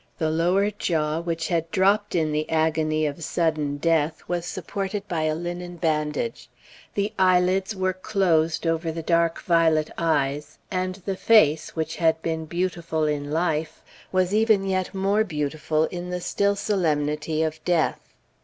The lower jaw, which had dropped in the agony of sudden death, was supported by a linen bandage; the eyelids were closed over the dark violet eyes; and the face, which had been beautiful in life, was even yet more beautiful in the still solemnity of death.